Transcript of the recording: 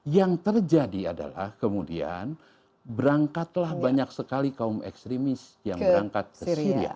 yang terjadi adalah kemudian berangkatlah banyak sekali kaum ekstremis yang berangkat ke syria